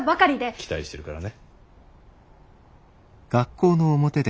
期待してるからね。